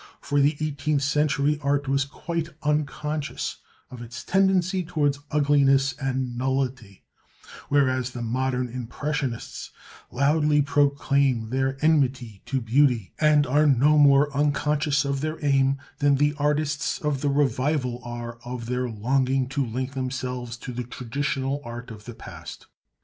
For the eighteenth century art was quite unconscious of its tendency towards ugliness and nullity, whereas the modern "Impressionists" loudly proclaim their enmity to beauty, and are no more unconscious of their aim than the artists of the revival are of their longing to link themselves to the traditional art of the past.